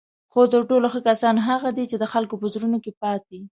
خو تر ټولو ښه کسان هغه دي چی د خلکو په زړونو کې پاتې